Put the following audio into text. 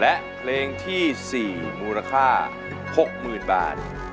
และเพลงที่๔มูลค่า๖๐๐๐บาท